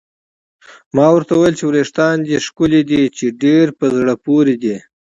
ما ورته وویل: وریښتان دې ښکلي دي، چې ډېر په زړه پورې دي.